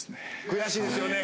悔しいですよね